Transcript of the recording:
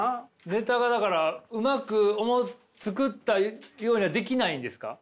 ネタがだからうまく作ったようにはできないんですか？